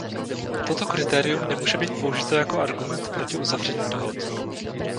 Toto kritérium nemůže být použito jako argument proti uzavření dohod.